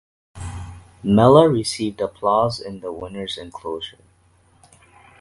Mellah received applause in the winners enclosure.